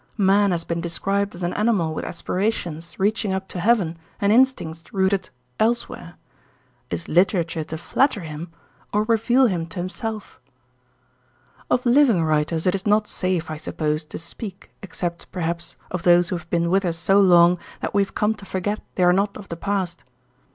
Man has been described as a animal with aspirations reaching up to Heaven and instincts rooted—elsewhere. Is literature to flatter him, or reveal him to himself? Of living writers it is not safe, I suppose, to speak except, perhaps, of those who have been with us so long that we have come to forget they are not of the past.